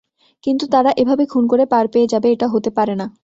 কিন্তু তারা এভাবে খুন করে পার পেয়ে যাবে, এটা হতে পারে না।